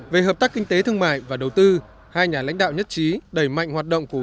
về hợp tác kinh tế thương mại và đầu tư hai nhà lãnh đạo nhất trí đẩy mạnh hoạt động của